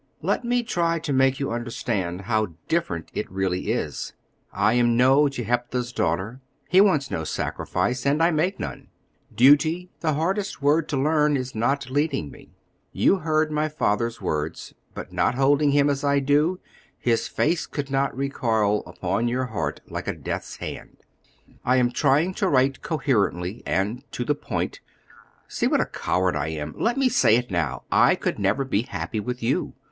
Let me try to make you understand how different it really is. I am no Jephthah's daughter, he wants no sacrifice, and I make none. Duty, the hardest word to learn, is not leading me. You heard my father's words; but not holding him as I do, his face could not recoil upon your heart like a death's hand. I am trying to write coherently and to the point: see what a coward I am! Let me say it now, I could never be happy with you.